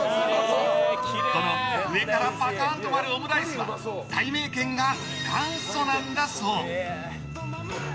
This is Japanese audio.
この上からパカーンと割るオムライスはたいめいけんが元祖なんだそう。